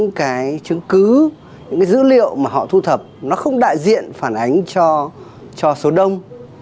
những cái chứng cứ những cái dữ liệu mà họ thu thập nó không đại diện phản ánh cho số đông